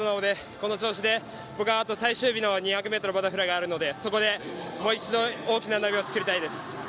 この調子で僕はあと最終日の２００ｍバタフライがあるのでそこでもう一度大きな流れを作りたいです。